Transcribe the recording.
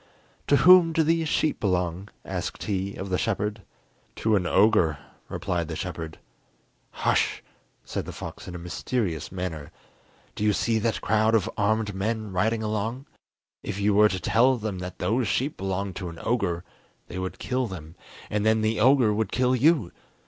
"To whom do these sheep belong?" asked he of the shepherd. "To an ogre," replied the shepherd. "Hush," said the fox in a mysterious manner. "Do you see that crowd of armed men riding along? If you were to tell them that those sheep belonged to an ogre, they would kill them, and then the ogre would kill you!